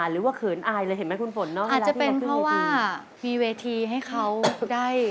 ครูของปันปันเขาเต้นดีขนาดไหน